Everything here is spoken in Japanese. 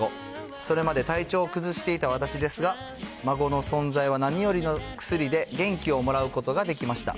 それまで体調を崩していた私ですが、孫の存在は何よりの薬で、元気をもらうことができました。